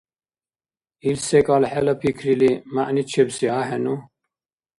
Ил секӀал хӀела пикрили, мягӀничебси ахӀену?